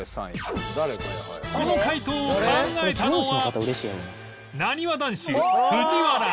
この回答を考えたのはなにわ男子藤原